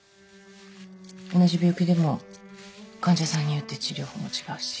同じ病気でも患者さんによって治療法も違うし。